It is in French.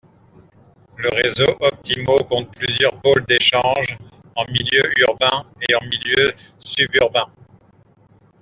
Le réseau Optymo compte plusieurs pôles d'échanges en milieu urbain et en milieu suburbain.